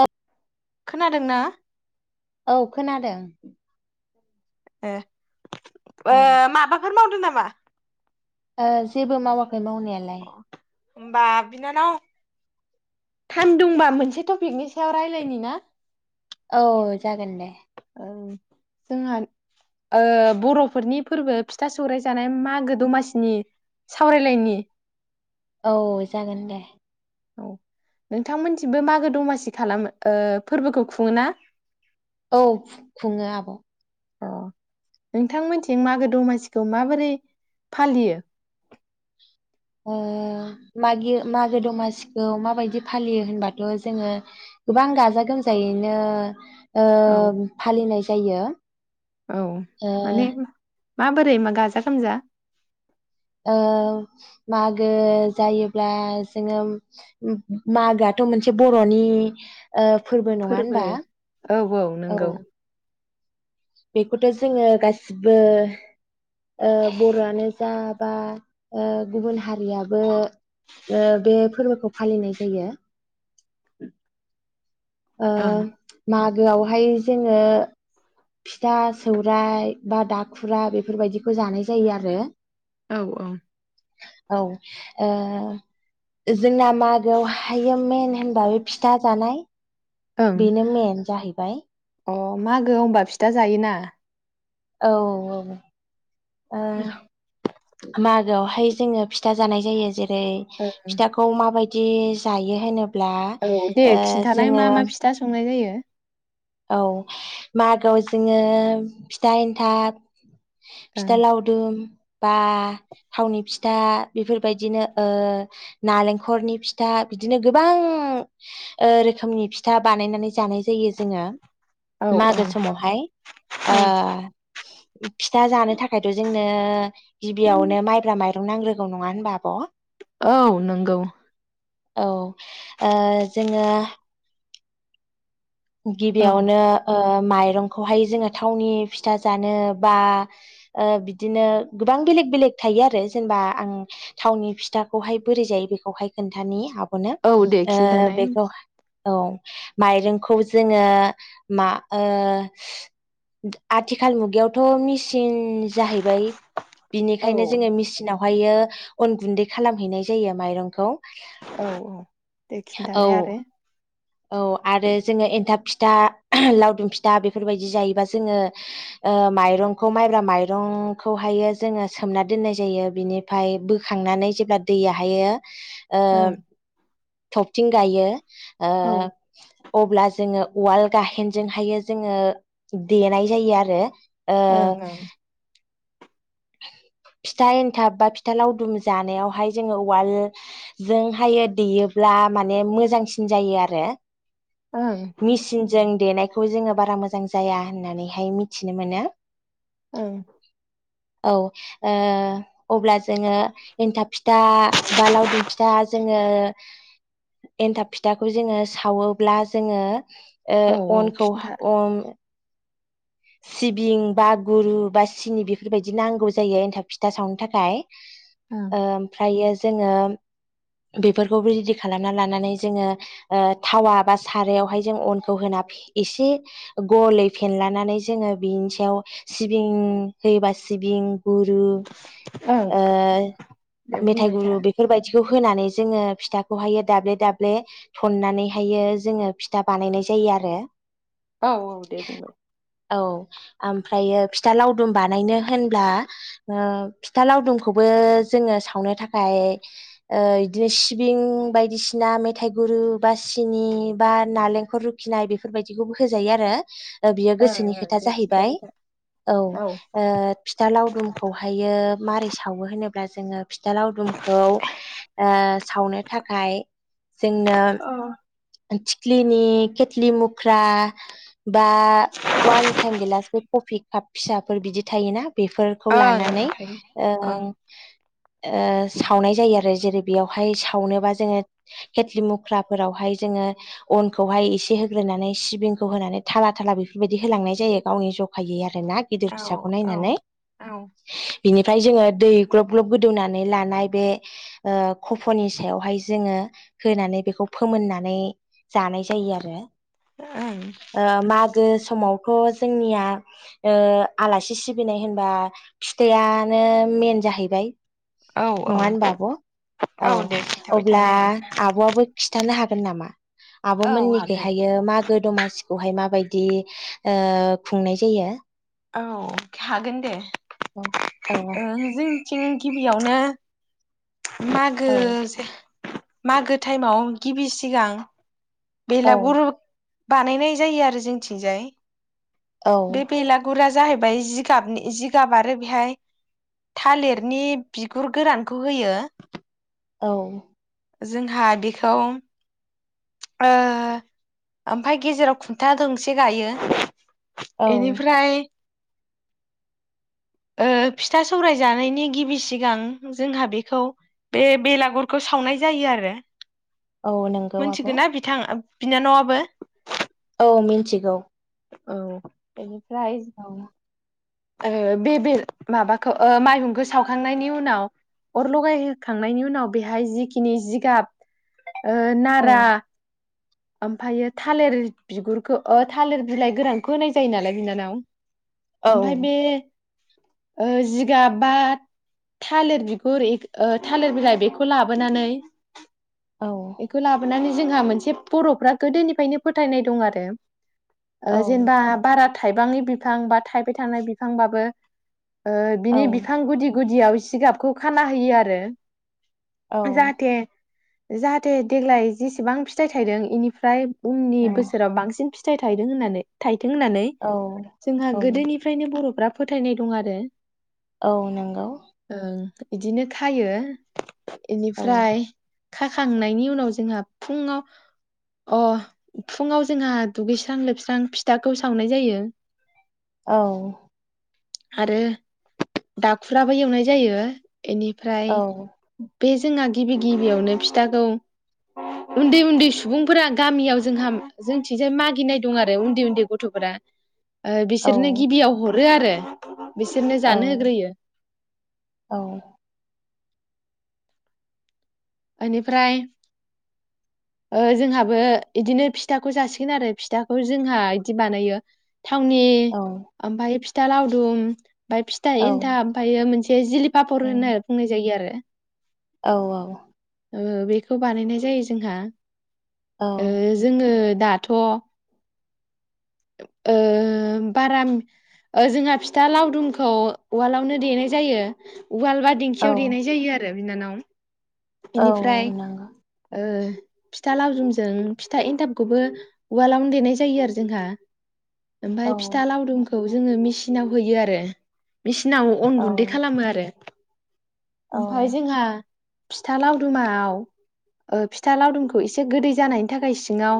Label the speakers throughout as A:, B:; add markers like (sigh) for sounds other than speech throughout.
A: औ
B: खोनादों ना?
A: औ खोनादों
B: एह ओ
A: औ
B: माबाफोर मावदों ना मा?
A: ओ जेबो मावा खै मावनायालाय।
B: होमबा बिनानाव थाइम दंबा मोनसे टपिकनि सायाव रायलायनि ना।
A: औ जागोन दे
B: ओं जोंहा‌ ओ बरफोरनि फोरबो फिथा सौराय जानाय मागो दमासिनि सावरायलायनायनि।
A: औ जागोन दे
B: औ नोंथांमोननिथिंबो मागो दमासि खालामो ओ फोरबोखौ खुङो ना?
A: औ खु-खुङो आब'
B: अ नोंथांमोनथिं मागो दमासिखौ माबोरै फालियो?
A: ओ मागि मागो दमासिखौ माबायदि फालियो होनबाथ' जोङो गोबां गाजा गोमजायैनो ओ
B: औ
A: फालिनाय जायो।
B: औ
A: ओ
B: माने माबोरै मा गाजा गोमजा
A: ओ मागो जायोब्ला जोङो मागोआथ' मोनसे बर'नि ओ नङा
B: फोरबो
A: होनबा
B: औ औ नंगौ।
A: बेखौथ' जोङो गासिबो ओ बर'आनो जा बा ओ गुबुन हारियाबो ओ बे फोरबोखौ फालिनाय जायो। ओ
B: ओं
A: मा गोआवहाय जोङो फिथा सौराइ बा दाखुरा बेफोरबायदिखौ जानाय जायो आरो।
B: औ औ
A: औ ओ जोंना मागोआव हाय मेन होनबा बे फिथा जानाय
B: ओं
A: बिनो मेन जाहै बाय
B: अ मागो होमबा फिथा जायोना
A: औ औ ओ
B: ओम
A: मागोआवहाय जोङो फिथा जानाय जायो जेरै रै
B: ओ
A: फिथाखौ माबाय दि जायो होनोब
B: औ दे खिन्थानाय मा मा फिथा संनाय जायो (unintelligible)
A: औ मागोआव जोङो फिथा एन्थाब फिथा
B: ओं
A: लावदुम बा थावनि फिथा बेफोरबायदिनो ओ नालेंखरनि फिथा बिदिनो गोबां ओ रोखोमनि फिथा बानायनानै जानाय जायो जोङो
B: औ औ
A: मागो समावहाय ओ
B: औ
A: ओम फिथा जानो थाखायथ जों नों ओ गिबियावनो माइब्रा माइरं नांग्रोगौ नङा होनबा आब'
B: औ नंगौ
A: औ ओ जोङो
B: औ
A: गिबियावनो ओ माइरंखौहाय जोङो थावनि फिथा जानो बा ओ बिदिनो गोबां बेलेक बेलेक थायो आरो जेनेबा आं थावनि फिथाखौहाय बोरै जायो बेखौहाय खोन्थानि आ ब'नो
B: औ दे
A: ओ
B: खिन्थानाय
A: बेखौ औ माइरं खौ जोङो मा ओ आथिखाल मुगायावथ' मेसिन जाहैबाय
B: औ
A: बिनिखायनो जोङो मेसिनाव बेवहायो अन गुन्दै खालामहैनाय जायो माइरंखौ
B: औ औ दे
A: औ
B: खिथानाय आरो
A: औ आरो जोङो एन्थाब फिथा लावदुम फिथा बेफोरबायदि जायोबा जोङो माइरंखौ माइब्रा माइरंखौहायो जोङो सोमना दोननाय जायो बिनिफ्राय बोखांनानै जेब्ला दैयाहायो ओ
B: ओं
A: थब थिं गायो
B: औ
A: ओ अब्ला जोङो उवाल गाहेनजोंहायो जोङो देनाय जायो आरो ओ
B: ओं ओं
A: फिथा एन्थाब बा फिथा लावदुम जानायावहाय जोङो उवालजोंहाय दैयोब्ला माने मोजांसिन जायो आरो
B: ओं
A: जों देनायखौ जोङो बारा मोजां जाया होननानैहाय मिथिनो मोनो।
B: ओं।
A: औ ओ अब्ला जोङो एन्थाब फिथा बा लावदुम फिथा जोङो एन्थाब फिथाखौ जोङो सावो। ब्ला जोङो। ओ
B: औ औ
A: अनखौ
B: खिन्था
A: अन सिबिं बा गुरु बा सिनि बेफोरबायदि नांगौ जायो एन्थाब फिथा सावनो थाखाय।
B: ओं
A: ओमफ्रायो। जोङो बेफोरखौबो रेदि खालामना लानानै जोङो ओ थावा बा सारायावहाय जों अनखौ होना एसे गलयै फेनलानानै जोङो बिनि सायाव सिबिं होयोबा सिबिं गुरु
B: ओं
A: ओ
B: दे
A: मेथाइ
B: बुंबाय था
A: गुरु बेफोरबायदि बेखौ होनानै जोङो फिथाखौहायो दाब्ले दाब्ले थन्नानैहायो जोङो फिथा बानायनाय जायो आरो।
B: औ औ दे बुं
A: औ ओमफ्रायो फिथा लावदुम बानायनो होनब्ला ओ फिथा लावदुमखौबो जोङो सावनो थाखाय ओ इदिनो सिबिं बायदिसिना मेथाइ गुरु बा सिनि बा नालेंखल रुखिनाय बेफोरबायदिखौबो होजायो आरो। दा बेयो
B: ओं
A: गोसोनिखाय था
B: ओं दे
A: जाहैबाय
B: खिन्थाबाय था
A: औ ओ फिथा लावदुमखौहायो। मारै सावो होनोब्ला जोङो फिथालावदुमखौ ओ सावनो थाखाय जोंना
B: औ
A: थिख्लिनि केेटलि मुख्रा बा वान टाइम गैलासबो कफि काप फिसाफोर बिदि थायोना बेफोरखौ लानानै
B: ओं
A: ओ
B: ओं
A: ओ सावनाय जायो आरो जेरै बेयावहाय सावनोबा जोङो खेथलि मुख्राफोरावहाय। जोङो अनखौहाय एसे होग्रोनानै सिबिंखौ होनानै थाला थाला बेफोरबायदि होलांनाय जायो गावनि जखायै आरो। ना गिदिर
B: थायो ओं
A: फिसाखौ
B: औ
A: नायनानै। बिनिफ्राय जोङो दै ग्लब ग्लब गोदौनानै लानाय बे ओ कफ'नि सायावहाय जोङो होनानै बेखौ फोमोनना नै जानाय जायो आरो।
B: ओं
A: ओ मागो समाव। थ जोंनिया ओ आलासि सिबिनाय होनबा फिथायानो मेन जाहैबाय।
B: औ औ
A: नङा होनबा आब' औ
B: दे खिन्थाबाय
A: अब्ला
B: थानाय आं
A: आब'आबो खिथानो हा गोन नामा? आब'
B: औ हागोन
A: मोननिखिहायो मा गो दमासिखौहाय माबायदि ओ खुंनाय जायो।
B: औ हागोन दे।
A: औ औ
B: ओ जों जों गिबियावनो मागो
A: औ
B: जे मागो टाइमाव गिबि सिगां बेलागुर बानायनाय जायो आरो जोंथिंजाय
A: औ
B: बे बेला जाहैबाय जिगाबनि जिगाब आरो बेहाय थालिरनि बिगुर गोरानखौ होयो
A: औ।
B: जोंहा बेखौ ओ ओमफाय गेजेराव खुन्था दोंसे गायो
A: औ
B: बेनिफ्राय ओ फिथा सौराय जानायनि गिबि सिगां जोंहा बेखौ बे बेलागुरखौ सावनाय जायो आरो
A: औ नंगौ। आब'
B: मोनथिगोन ना बिथां बिनानावाबो।
A: औ मिन्थिगौ।
B: औ। फ्राइ
A: औ
B: ओ बेबे माबाखौ माइहुंखौ सावखांनायनि उनाव अर लगायहखांनायनि उनाव बेहाय जिखिनि जिगाब ओ
A: औ
B: नारा ओमफ्रायायो थालिर बिगुरखौ थालिर बिलाइ गोरानखौ होनाय जायो नालाय बिनानाव
A: औ
B: ओमफाय बे ओ जिगाब बा थालिर बिगुर थालिर बिलाइ बेखौ लाबोनानै
A: औ
B: एखौ लाबोनानै। जोंहा मोनसे बर'फ्रा गोदोनिफ्रायनो फोथायनाय दं आरो
A: औ
B: ओ जेनेबा बारा थाइबांनि बिफां बा थाइ बाय थानाय बिफांबाबो ओ बिनि बिफां गुदि गुदियाव जिगाबखौ खाना होयो आरो।
A: औ
B: जाहाते जाहाथे देग्लाय जेसेबां फिथाइ थायदों इनिफ्राय उननि बोसोराव बांसिन फि थाइ थायदों होननानै थाइ थों होननानै जोंहा
A: औ
B: गोदोनि फ्रायनो बर'फ्रा फोथायनाय दं आरो
A: औ नोंगौ
B: बिदिनो खायो
A: औ
B: इनिफ्राय खाखांनायनि उनाव जोंहा फुङाव अ फुङाव जोंहा दुगैस्रां लोबस्रां फिथाखौ सावनाय जायो।
A: औ
B: आरो दाखुराबो एवनाय जायो। इनिफ्राय
A: औ
B: बे जोंहा गिबि गिबियावनो फिथाखौ उन्दै उन्दै सुबुंफोरा गामियाव जोंहा जोंथिंजाय मागिनाय दं आरो उन्दै उन्दै गथ'फोरा ओ
A: औ
B: बिसोरनो हरो आरो बिसोरनो
A: औ
B: जानो होग्रोयो
A: औ
B: इनिफ्राय जोंहाबो इदिनो फिथाखौ जासिगोन आरो फिथाखौ जोंहा इदि बानायो थावनि
A: औ औ
B: ओमफाय फि था लावदुम ओमफाय फिथाइ एन्थाब ओमफायो मोनसे जिलि पापर होनो होनना बुंनाय जायो आरो।
A: औ औ
B: ओ बेखौ बानायनाय जायो जोंहा। ओ जोङो दाथ' ओ बारा जोंहा फिथा लावदुमखौ उवालावनो देनाय जायो उवाल बा
A: औ
B: दिंखियाव देनाय जायो आरो।
A: औ
B: बिनानाव इनिफ्राय ओ फिथा लावदुमजों फिथा एन्थाबखौबो उवालावनो देनाय जायो आरो जोंहा। ओमफाफय फिथा लावदुमखौ जोङो मेचिनाव हैयो आरो मेसिनाव अन गुन्दै खालामो आरो
A: औ
B: ओमफाय जोंहा फिथा लावदुमाव ओ फिथा लावदुमखौ एसे गोदै जानायनि थाखाय सिङाव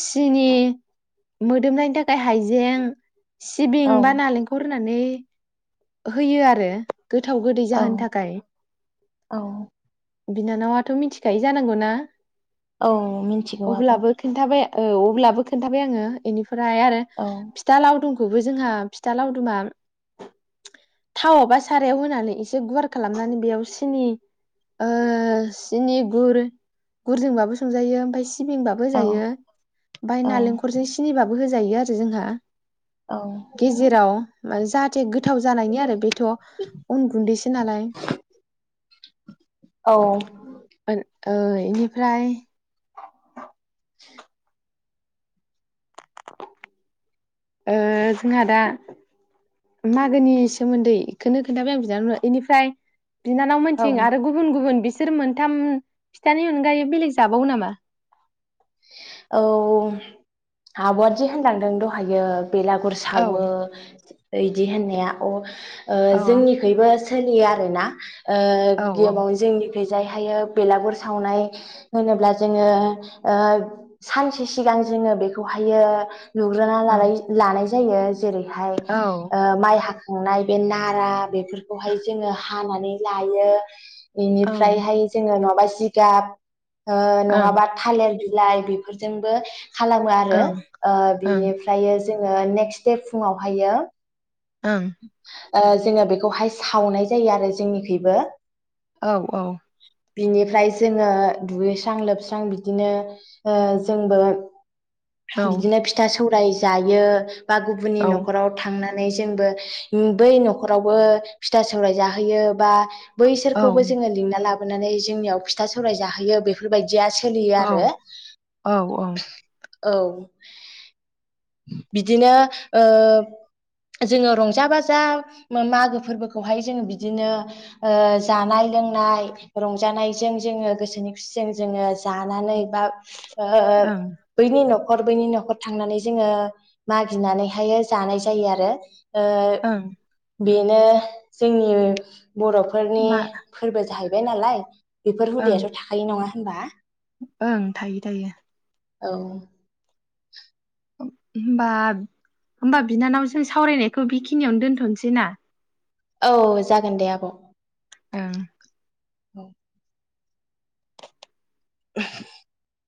B: सिनि मोदोमनायनि थाखाय हाइजें सिबिं बा नालेंखर होनानै, होयो आरो। गोथाव गोदै जाहोनो
A: औ
B: थाखाय- बिनानावाथ' मिथिखायो जानांगौना?
A: औ मिथिगौ आब'
B: अब्लाबो खोन्थाबाय औ अब्लाबो खोन्थाबाय आङो। एनि फ्राय आरो फिथा लावदुम बो जोंहा फिथा लावदुमा थावआव बा सारायाव होनानै एसे गुवार खालामनानै बेयाव सिनि ओ सिनि गुर गुरजोंबाबो संजायो ओमफ्राय सिबिंबाबो
A: औ
B: होजायो ओमफाय
A: औ
B: नालेंखरजों सि बाबो होजायो आरो जोंहा गेजेराव जाहाथे गोथाव जानायनि आरो बेथ उन गुन्दैसो नालाय
A: औ
B: (inaudible) ओ इनिफ्राय
A: (inaudible)
B: ओ जोंहा दा मागोनि सोमोन्दै इखोनो खोन्थाबाय आं बिनानावनो इनिफ्राय बिनानाव
A: औ
B: मोनथिं आरो गुबुन गुबुन बिस बिसोर मोनथाम फिथानि अनगायै बेलेग जाबावो नामा
A: औ आबआदि होनलांदों दहायो बेलागुर सावो
B: औ
A: बिदि होननाया अ ओ
B: अ
A: जोंनिखैबो सोलियो आरोना ओ
B: औ
A: गेमावनो (unintelligible) जाय हायो बेलागुर सावनाय होनोब्ला जोङो ओ सानसे सिगां जोङो बेखौहायो लुग्रोना
B: औ ओं
A: लानाय लानाय जायो जेरैहाय
B: औ
A: ओ माइ हाखा नाय बे नारा बेफोरखौहाय जोङो हानानै लायो।
B: ओं
A: बेनिफ्रायहाय जोङो नङाबा जि जिगाब ओ
B: ओं
A: नङाबा थालेर बिलाइ बेफोरजोंबो खालामो आरो
B: ओं
A: ओ
B: ओं
A: बिनिफ्रायो जो जोङो नेक्स दे फुङावहायो
B: ओं
A: (inaudible) ओ जोङो बेखौहाय सावनाय जायो आरो जोंनिखैयबो
B: औ - औ
A: बिनिफ्राय जोङो दुगैस्रां लोबस्रां बिदिनो ओ जोंबो
B: औ
A: बिदिनो फिथास सौराय जायो बा गुबुननि
B: औ
A: न'खराव थांनो नै जोंबो बै न'खरावबो फिथा सौराय जाहोयो बा
B: औ
A: बैसोरखौबो जोङो लिंना लाब नानै जोंनियाव फिथा सौराय जाहोयो बेफोरबायदि दिया सोलियो आरो।
B: औ औ
A: औ बिदिनो ओ जोङो रंजा बाजा मागो फोरबोखौहाय जोङो बिदिनो ओ जानाय लोंनाय रंजानायजों जोङो गोसोनि खुसिजों जोङो जानानै बा ओ
B: ओं
A: बैनि न' खर बैनि न'खर थांनानै जोङो मागिनानैहायो जानाय जायो आरो।
B: ओं
A: ओ बेनो जोंनि बर'फोरनि
B: मा
A: फोरबो जाहैब। बेनालाय। बेफोर
B: ओं
A: हुदायाथ' थाखायो नङा होनबा?
B: ओं थायो थायो।
A: औ
B: होमबा होमबा बिनानावजों सावरायनायखौ बेखिनियावनो दोनथ'नोसै ना।
A: औ जागोन दे आब'।
B: ओं
A: ओ (inaudible)